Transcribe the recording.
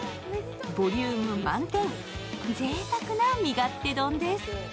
ボリューム満点、ぜいたくな味勝手丼です。